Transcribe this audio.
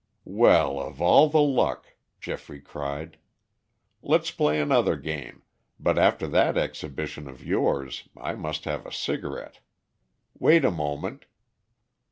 "Well, of all the luck!" Geoffrey cried. "Let's play another game, but after that exhibition of yours I must have a cigarette. Wait a moment."